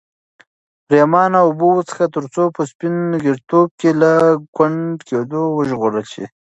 پرېمانه اوبه وڅښه ترڅو په سپین ږیرتوب کې له ګونډه کېدو وژغورل شې.